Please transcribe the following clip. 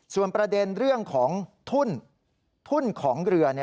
ส่วนประเด็นเรื่องของทุนของเรือ